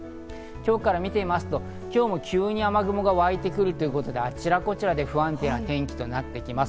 今日から見てみますと、今日も急に雨雲がわいてくるということで、あちらこちらで不安定な天気となってきます。